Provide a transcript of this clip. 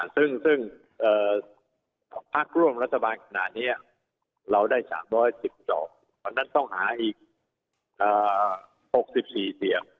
ซึ่งภาคร่วมรัฐบาลขนาดนี้เราได้๓๑๒ตอนนั้นต้องหาอีก๖๔เสียง